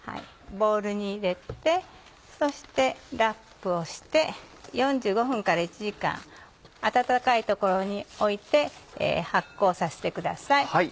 ボウルに入れてそしてラップをして４５分から１時間温かい所に置いて発酵させてください。